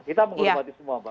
kita menghormati semua